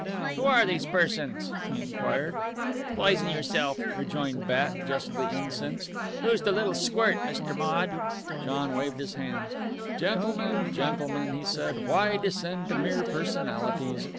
"Who are these persons?" he enquired. "Poison yourself," rejoined Bat, justly incensed. "Who's de little squirt, Mr. Maude?" John waved his hands. "Gentlemen, gentlemen," he said, "why descend to mere personalities?